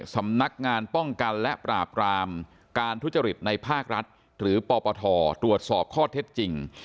สำนักงานป้องกันและปราบรามการทุจริตในภาครัฐหรือปปทตรวจสอบข้อเท็จจริง